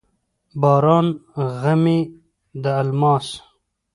باران غمي د الماس،